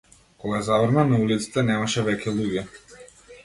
Кога заврна на улиците немаше веќе луѓе.